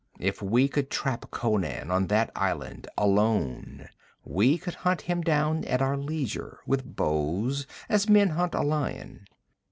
'If we could trap Conan on that island, alone, we could hunt him down at our leisure, with bows, as men hunt a lion.'